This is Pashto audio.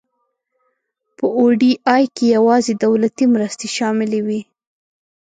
په او ډي آی کې یوازې دولتي مرستې شاملې وي.